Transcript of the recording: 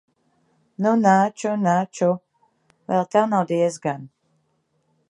Nu, nāču, nāču. Vēl tev nav diezgan.